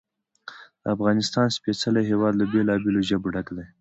د افغانستان سپېڅلی هېواد له بېلابېلو ژبو ډک دی.